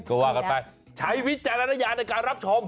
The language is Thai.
ก็ว่ากันไปใช้วิจารณญาณในการรับชม